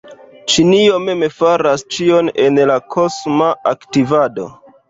Ĉinio mem faras ĉion en la kosma aktivado.